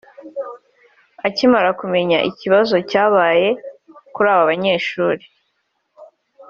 Akimara kumenya ikibazo cyabaye kuri aba banyeshuri